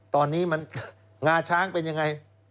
ตอนนี้มันงาช้างเป็นยังไง